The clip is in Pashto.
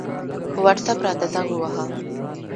په وټساپ راته زنګ ووهه